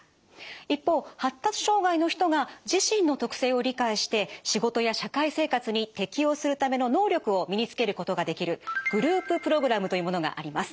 一方発達障害の人が自身の特性を理解して仕事や社会生活に適応するための能力を身につけることができるグループプログラムというものがあります。